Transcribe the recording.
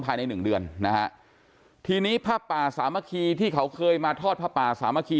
ภายใน๑เดือนนะที่นี้พระป่าสามารคีที่เขาเคยมาทอดพระป่าสามารคี